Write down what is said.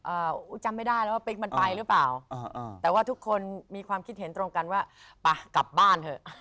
จำไม่ได้แล้วว่าปิ๊กมันไปหรือเปล่าอ่าอ่าแต่ว่าทุกคนมีความคิดเห็นตรงกันว่าไปกลับบ้านเถอะ